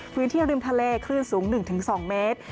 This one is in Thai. พื้นที่ริมทะเลคลื่นสูง๑๒เมตร